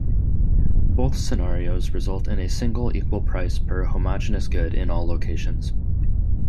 Both scenarios result in a single, equal price per homogeneous good in all locations.